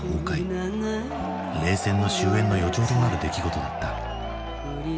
冷戦の終焉の予兆となる出来事だった。